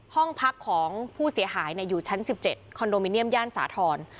ห้องพักของผู้เสียหายอยู่ชั้น๑๗คอนโดมิเนียมย่านสาธรณ์